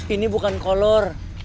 ini bukan kolor